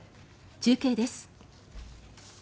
中継です。